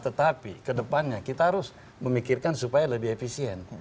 tetapi kedepannya kita harus memikirkan supaya lebih efisien